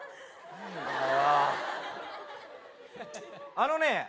あのね